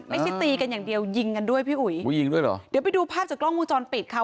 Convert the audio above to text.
ไม่คิดตีกันอย่างเดียวยิงกันด้วยพี่อุ๋ยเดี๋ยวไปดูภาพจากกล้องมุมจรปิดค่ะ